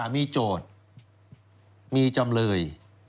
มีโจทย์มีจำเลย